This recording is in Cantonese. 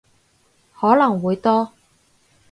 可能會多